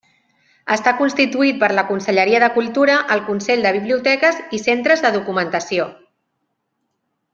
Està constituït per la Conselleria de Cultura, el Consell de Biblioteques i Centres de Documentació.